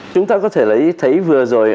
chúng ta có thể thấy vừa rồi